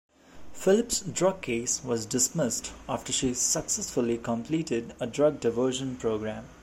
Phillips' drug case was dismissed after she successfully completed a drug diversion program.